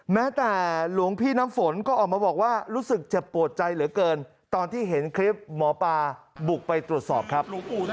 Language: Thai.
แม้แต่หลวงพี่น้ำฝนก็ออกมาบอกว่ารู้สึกเจ็บปวดใจเหลือเกินตอนที่เห็นคลิปหมอปลาบุกไปตรวจสอบครับ